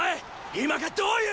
今がどういう！